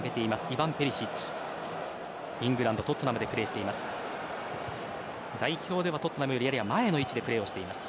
イングランド、トッテナムでプレーしています。